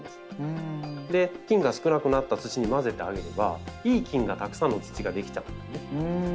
菌が少なくなった土に混ぜてあげればいい菌がたくさんの土が出来ちゃうんですね。